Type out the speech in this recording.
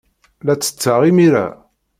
La ttetteɣ imir-a.